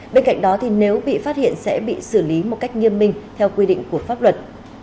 bên cạnh đó nếu bị phát hiện sẽ bị xử lý một cách nghiêm minh theo quy định của pháp luật